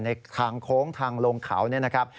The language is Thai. ในทางโค้งทางลงเขานะครับ